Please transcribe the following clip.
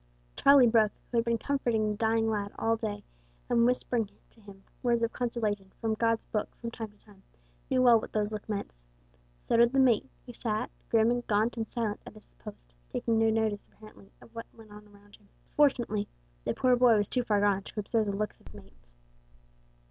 Charlie Brooke, who had been comforting the dying lad all day, and whispering to him words of consolation from God's book from time to time, knew well what those looks meant. So did the mate, who sat grim, gaunt and silent at his post, taking no notice apparently of what went on around him. Fortunately the poor boy was too far gone to observe the looks of his mates.